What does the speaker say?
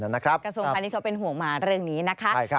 กระทรงคันนี้เขาเป็นห่วงหมาเร็วนี้นะคะ